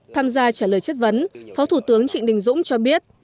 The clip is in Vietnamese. tham gia trả lời chất vấn phó thủ tướng trịnh đình dũng cho biết